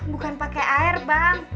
bukan pakai air bang